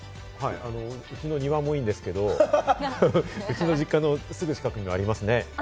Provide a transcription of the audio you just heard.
うちの庭もいいんですけど、うちの実家のすぐ近くにもありますね。